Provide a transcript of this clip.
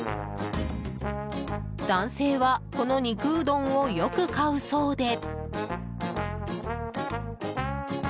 男性はこの肉うどんをよく買うそうで。